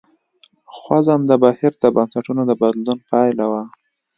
خوځنده بهیر د بنسټونو د بدلون پایله وه.